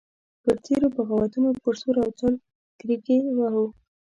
پر تېر د بغاوتونو پر سور او تال کرېږې وهو.